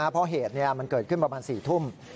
เพราะเหตุมันเกิดขึ้นประมาณ๔ทุ่ม